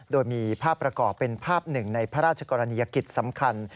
โดยมีภาพประกอบเป็นภาพหนึ่งในพระราชกรณียกิจสำคัญ